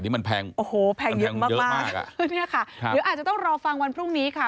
นี่มันแพงเยอะมากอะคือเนี่ยค่ะหรืออาจจะต้องรอฟังวันพรุ่งนี้ค่ะ